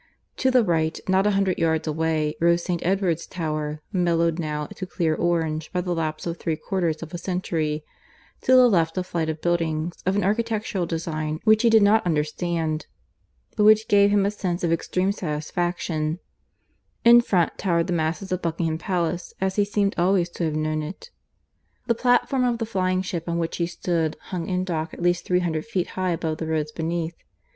To the right, not a hundred yards away, rose Saint Edward's tower, mellowed now to clear orange by the lapse of three quarters of a century; to the left a flight of buildings, of an architectural design which he did not understand, but which gave him a sense of extreme satisfaction; in front towered the masses of Buckingham Palace as he seemed always to have known it. The platform of the flying ship on which he stood hung in dock at least three hundred feet high above the roads beneath.